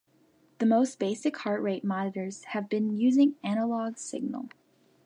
The most basic heart rate monitors have been using analog signal.